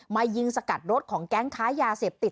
ยิงสกัดรถของแก๊งค้ายาเสพติด